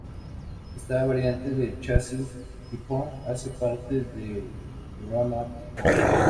Esta variante del chasis ""Typhoon"" hace parte del programa ""Typhoon"".